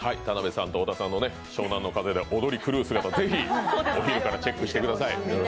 さと小田さんが湘南乃風で踊り狂う姿、ぜひお昼からチェックしてください。